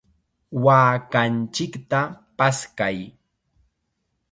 ¡Waakanchikta paskay!